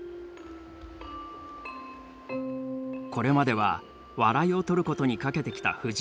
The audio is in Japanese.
これまでは笑いをとることにかけてきた藤井。